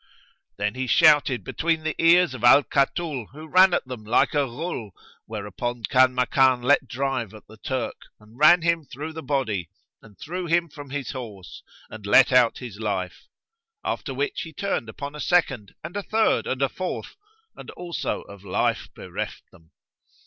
Then he shouted between the ears of Al Katul who ran at them like a Ghul; whereupon Kanmakan let drive at the Turk[FN#98] and ran him through the body and threw him from his horse and let out his life; after which he turned upon a second and a third and a fourth, and also of life bereft them.